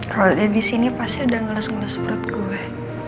kalo dia disini pasti udah ngeles ngeles perut gue